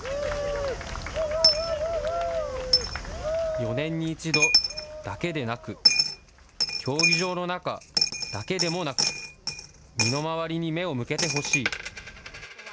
４年に一度だけでなく、競技場の中だけでもなく、身の回りに目を向けてほしい。